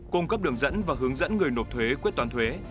cung cấp đường dẫn và hướng dẫn người nộp thuế quyết toán thuế